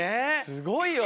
すごいよ。